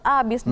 nah abis nih